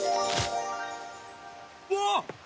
うわっ！